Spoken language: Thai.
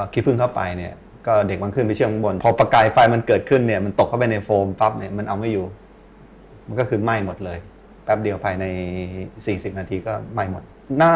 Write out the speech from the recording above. คิดพึ่งเข้าไปก็เด็กมันขึ้นไปเชี่ยงข้างบน